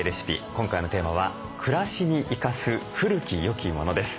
今回のテーマは「暮らしに生かす古き良きもの」です。